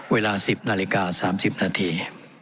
เวลา๑๐นาฬิกา๓๐นาที